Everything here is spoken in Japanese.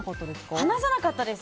話さなかったです。